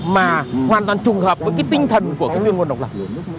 mà hoàn toàn trùng hợp với cái tinh thần của cái tuyên ngôn độc lập